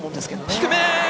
低め！